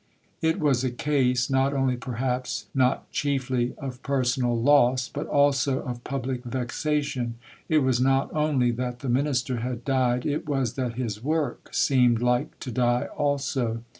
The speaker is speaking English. It was a case not only, perhaps not chiefly, of personal loss, but also of public vexation; it was not only that the Minister had died, it was that his work seemed like to die also.